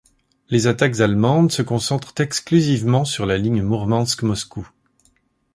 Les attaques allemandes se concentrent exclusivement sur la ligne Mourmansk-Moscou.